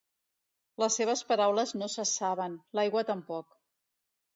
Les seues paraules no cessaven, l'aigua tampoc.